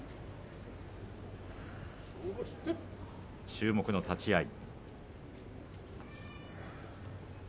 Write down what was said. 注目の立ち合い。